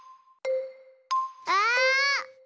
あ！